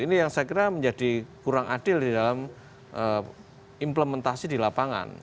ini yang saya kira menjadi kurang adil di dalam implementasi di lapangan